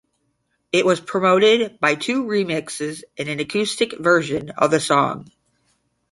It was promoted by two remixes and an acoustic version of the song.